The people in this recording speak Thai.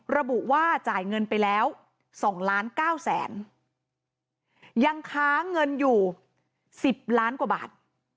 ระบุว่าจ่ายเงินไปแล้ว๒ล้าน๙แสนยังค้าเงินอยู่๑๐ล้านกว่าบาท